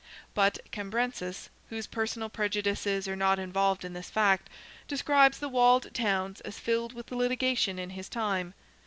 But Cambrensis, whose personal prejudices are not involved in this fact, describes the walled towns as filled with litigation in his time.